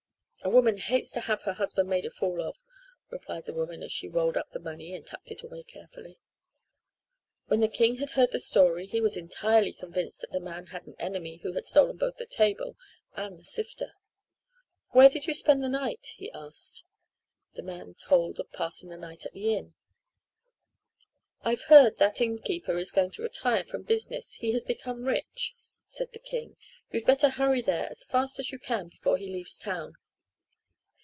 "A woman hates to have her husband made a fool of," replied the woman as she rolled up the money and tucked it away carefully. When the king had heard the story he was entirely convinced that the man had an enemy who had stolen both the table and the sifter. "Where did you spend the night?" he asked. The man told of passing the night in the inn. "I've heard that innkeeper is going to retire from business, he has become so rich," said the king. "You'd better hurry there as fast as you can before he leaves town."